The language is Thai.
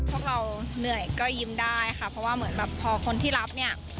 พวกเราเหนื่อยก็ยิ้มได้ค่ะเพราะว่าเหมือนแบบพอคนที่รับเนี่ย